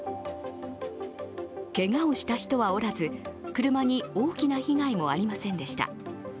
けがをした人はおらず、車に大きな被害もありませんでした。